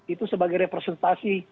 itu sebagai representasi